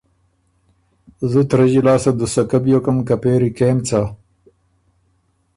زُت رݫی لاسته دُوسکۀ بیوکم که پېری کېم څۀ؟